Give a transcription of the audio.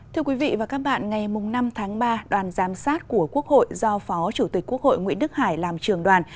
thưa quý vị và các bạn ngày năm tháng ba đoàn giám sát của quốc hội do phó chủ tịch quốc hội nguyễn đức hải làm trường đoàn